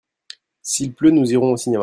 S'il pleut nous irons au cinéma.